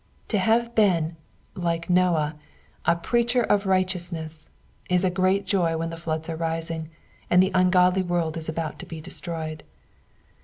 To have been, like Noah, a preacher of righteousness, is a ffreat joy when the floods are rising, and the ungodly world is about to be destroyed.